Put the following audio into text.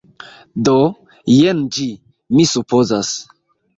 Do, jen ĝi. Mi supozas.